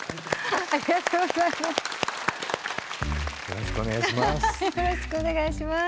よろしくお願いします。